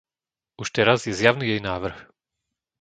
Už teraz je zjavný jej návrh.